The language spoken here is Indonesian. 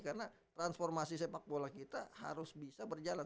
karena transformasi sepak bola kita harus bisa berjalan